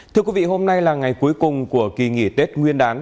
thưa quý vị hôm nay là ngày cuối cùng của kỳ nghỉ tết nguyên đán